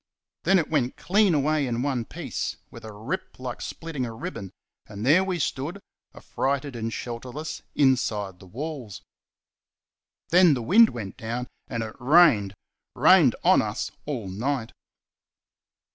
Then it went clean away in one piece, with a rip like splitting a ribbon, and there we stood, affrighted and shelterless, inside the walls. Then the wind went down and it rained rained on us all night.